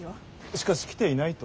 しかし来ていないと。